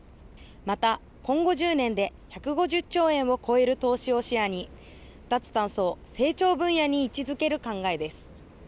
また、今後１０年で１５０兆円を超える投資を視野に脱炭素を成長分野に位置付ける考えです。